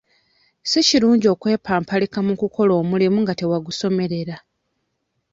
Si kirungi okwepampalika mu kukola omulimu nga tewagusomerera.